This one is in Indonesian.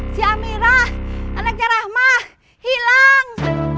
si amirah anaknya rahmah hilang